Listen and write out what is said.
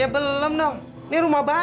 ya belum dong ini rumah baru nih